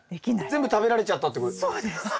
全部食べられちゃったってことですか？